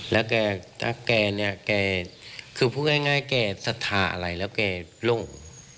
แล้วแกถ้าแกเนี่ยแกคือพูดง่ายแกสัทธาอะไรแล้วแกลง